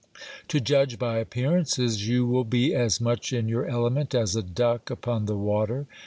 To judge by ap pearances, you will be as much in your element as a duck upon the water.